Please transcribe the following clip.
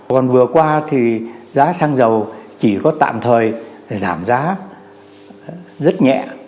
còn vừa qua thì giá xăng dầu chỉ có tạm thời giảm giá rất nhẹ